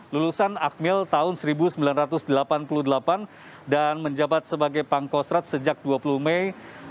lulusan akmil tahun seribu sembilan ratus delapan puluh delapan dan menjabat sebagai pangkostrat sejak dua puluh mei dua ribu enam belas